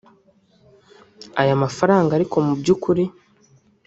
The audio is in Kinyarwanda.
Aya mafaranga ariko mu by’ukuri